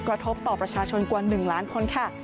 กระทบต่อประชาชนกว่า๑ล้านคนค่ะ